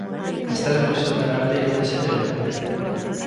Astelehen goizaldera arte iraun dezake egoerak.